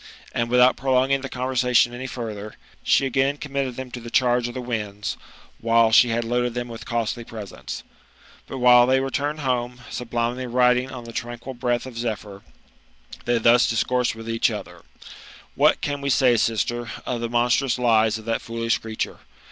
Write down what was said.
And wiUiout prolonging the conversation any further, she again committed them to the charge of the winds, after she had loaded thera with costly presents. But while they return home, sublimely riding on the tranquil breath of 2^phyr, they thus discoursed with each other: '^What can we say, sister, of the monstrous lies of that foolish creature